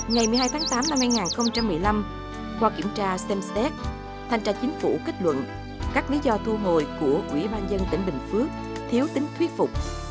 ngày một mươi hai tháng tám năm hai nghìn một mươi năm qua kiểm tra xem xét thanh tra chính phủ kết luận các lý do thu hồi của quỹ ba nhân tỉnh bình phước thiếu tính thuyết phục